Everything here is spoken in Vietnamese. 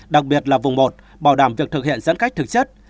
đặc biệt là vùng một bảo đảm việc thực hiện giãn cách thực chất